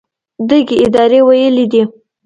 دغې ادارې ویلي دي